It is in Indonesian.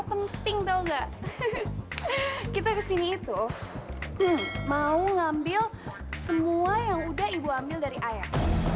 penting tahu enggak kita kesini itu mau ngambil semua yang udah ibu ambil dari ayah